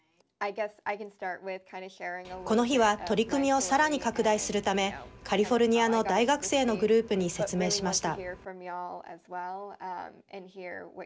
この日は取り組みをさらに拡大するためカリフォルニアの大学生のグループに説明しました。